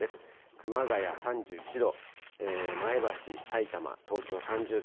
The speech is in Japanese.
熊谷３１度、前橋、さいたま、東京３０度。